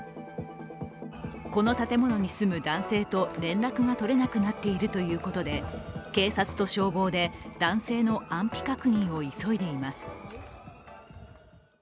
この建物に住む男性と連絡が取れなくなっているということで警察と消防で男性の安否確認を急いでいます。